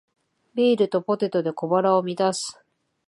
ビールとポテトで小腹を満たす